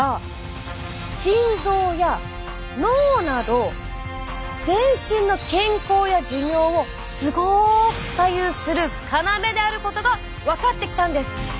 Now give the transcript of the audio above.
心臓や脳など全身の健康や寿命をすごく左右する要であることが分かってきたんです！